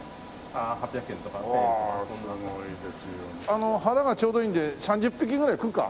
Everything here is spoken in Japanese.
あの腹がちょうどいいので３０匹ぐらい食うか？